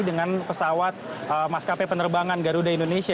dengan pesawat maskapai penerbangan garuda indonesia